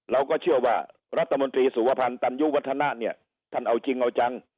เราก็เชื่อว่ารัฐมนตรีสุวพันธ์ตันยุวัฒนะเนี่ยท่านเอาจริงเอาจัง